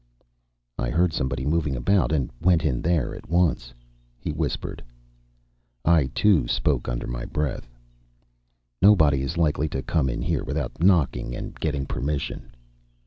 "I heard somebody moving about, and went in there at once," he whispered. I, too, spoke under my breath. "Nobody is likely to come in here without knocking and getting permission."